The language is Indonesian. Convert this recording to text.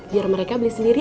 biar mereka beli sendiri